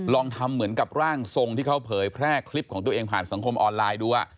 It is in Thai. ลองทำเหมือนกับร่างทรงที่เขาเผยแพร่คลิปของตัวเองผ่านสังคมออนไลน์ดู